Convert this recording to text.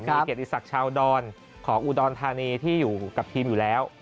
มีเกียรติศักดิ์ชาวดอนของอุดรธานีที่อยู่กับทีมอยู่แล้ว